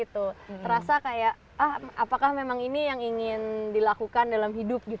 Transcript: terasa kayak apakah memang ini yang ingin dilakukan dalam hidup